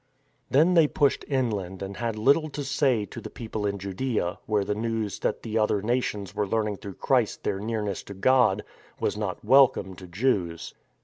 Then they pushed inland and had little to say to the people in Judaea, where the news that the other nations were learning through Christ their nearness to God was not welcome to Jews.